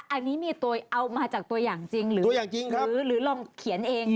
อันนี้มีตัวเอามาจากตัวอย่างจริงหรือลองเขียนเอง